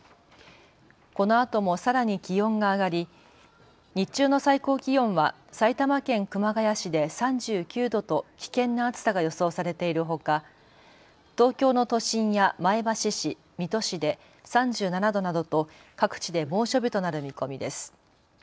このあともさらに気温が上がり日中の最高気温は埼玉県熊谷市で３９度と危険な暑さが予想されているほか、東京の都心や前橋市、水戸市で３７度などと各地で猛暑日となる見込みです。